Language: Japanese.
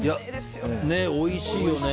おいしいよね。